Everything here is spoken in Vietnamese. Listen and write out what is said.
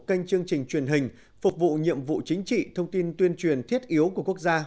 kênh chương trình truyền hình phục vụ nhiệm vụ chính trị thông tin tuyên truyền thiết yếu của quốc gia